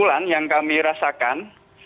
lan yang kami rasakan